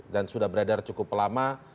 dan sudah beredar cukup lama